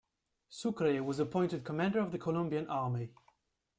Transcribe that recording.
Sucre was appointed Commander of the Colombian Army.